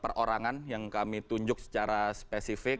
perorangan yang kami tunjuk secara spesifik